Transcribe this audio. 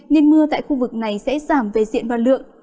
nên mưa tại khu vực này sẽ giảm về diện và lượng